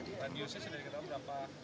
tandiusnya sudah diketahui berapa